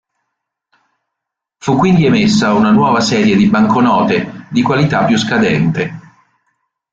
Fu quindi emessa una nuova serie di banconote, di qualità più scadente.